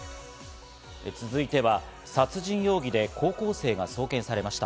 続いては、殺人容疑で高校生が送検されました。